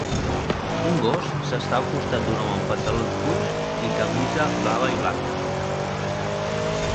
Un gos s'està al costat d'un home amb pantalons curts i camisa blava i blanca.